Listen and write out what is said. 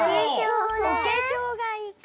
おけしょうがいいかも。